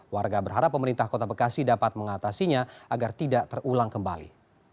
warga berharap pemerintah kota bekasi dapat mengatasinya agar tidak terulang kembali